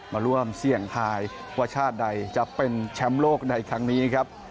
มาร่วมเสี่ยงทายว่าชาติใดจะเป็นแชมป์โลกในครั้งนี้ครับ